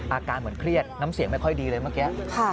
อาการเหมือนเครียดน้ำเสียงไม่ค่อยดีเลยเมื่อกี้